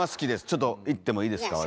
ちょっといってもいいですか？